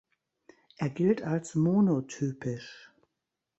Er gilt als monotypisch.